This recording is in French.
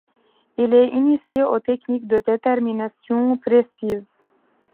Il y est initié aux techniques de détermination précise.